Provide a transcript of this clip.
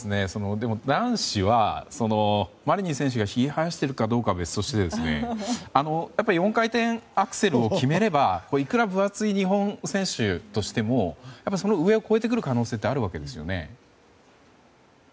でも男子はマリニン選手がひげを生やしているかは別として４回転アクセルを決めればいくら厚い日本選手としてもその上を超えてくる可能性はあるわけですよね？